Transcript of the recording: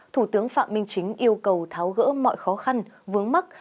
thủ tướng phạm minh chính yêu cầu tháo gỡ mọi khó khăn vướng mắt